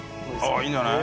いいんじゃない？